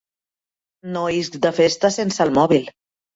No isc de festa sense el mòbil.